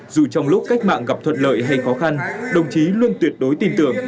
dù trong lúc cách mạng gặp thuận lợi hay khó khăn đồng chí luôn tuyệt đối tin tưởng